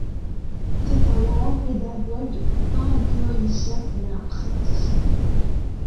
C'est un grand pédagogue, pas un théoricien mais un praticien.